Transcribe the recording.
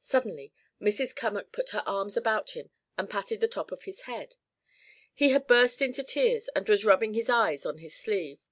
Suddenly Mrs. Cummack put her arms about him and patted the top of his head. He had burst into tears and was rubbing his eyes on his sleeve.